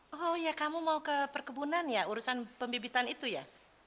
oh ya kamu mau ke perkebunan ya urusan pembibitan itu ya